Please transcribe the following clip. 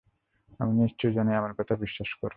আমি নিশ্চয় জানি, আমার কথা বিশ্বাস করো।